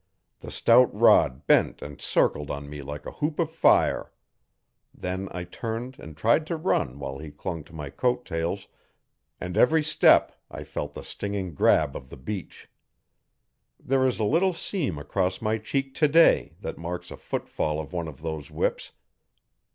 The stout rod bent and circled on me like a hoop of fire. Then I turned and tried to run while he clung to my coat tails, and every step I felt the stinging grab of the beech. There is a little seam across my cheek today that marks a footfall of one of those whips.